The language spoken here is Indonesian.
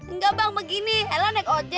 enggak bang begini